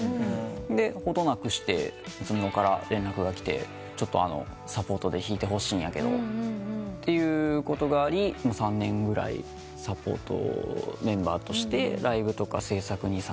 で程なくしてムツムロから連絡がきて「サポートで弾いてほしいんやけど」ということがあり３年ぐらいサポートメンバーとしてライブとか制作に参加させてもらって。